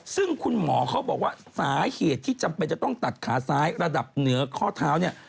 ซึ่งคุณหมอเขาบอกว่าสาเหตุที่จำเป็นจะต้องตัดขาซ้ายระดับเหนือข้อเท้าเนี่ย